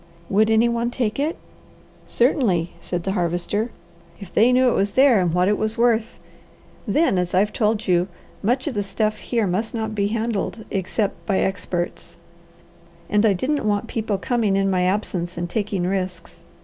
"Would any one take it?" "Certainly!" said the Harvester. "If they knew it was there, and what it is worth. Then, as I've told you, much of the stuff here must not be handled except by experts, and I didn't want people coming in my absence and taking risks.